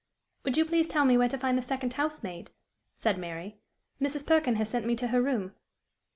"Would you please tell me where to find the second house maid," said Mary. "Mrs. Perkin has sent me to her room."